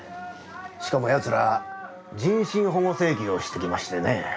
しかもヤツら人身保護請求をして来ましてね。